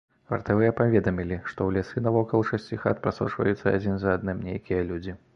Вартавыя паведамілі, што ў лясы навокал шасці хат прасочваюцца адзін за адным нейкія людзі.